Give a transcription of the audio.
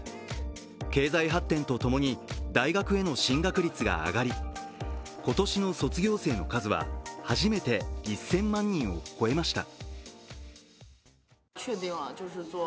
経済発展とともに大学への進学率が上がり、今年の卒業生の数は初めて１０００万人を超えました。